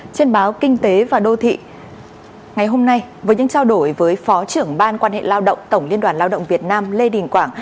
trên báo kinh tế và đô thị ngày hôm nay với những trao đổi với phó trưởng ban quan hệ lao động tổng liên đoàn lao động việt nam lê đình quảng